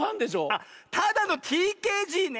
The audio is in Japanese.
あっただのＴＫＧね。